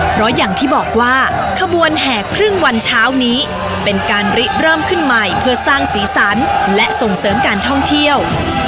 เพราะอย่างที่บอกว่าขบวนแห่ครึ่งวันเช้านี้เป็นการริเริ่มขึ้นใหม่เพื่อสร้างสีสันและส่งเสริมการท่องเที่ยว